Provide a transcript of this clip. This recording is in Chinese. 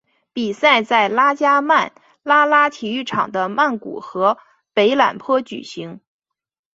比赛在拉加曼拉拉体育场的曼谷和的北榄坡举行。